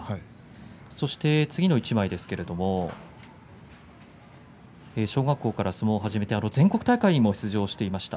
次の１枚ですけれど小学校から相撲を初めて全国大会にも出場していました。